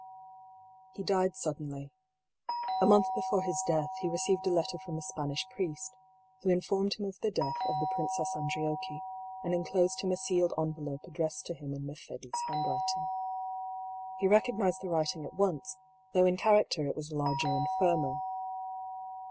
He died suddenly. A month before his death he received a letter from a Spanish priest, who informed him of the death of the Princess Andriocchi, and en closed him a sealed envelope addressed to him in Mercedes' handwriting. He recognised the writing at once, though in character it was larger and firmer.